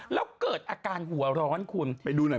แล้วเกิดอาการหัวร้อนไปดูหน่อยไปดูก่อนมา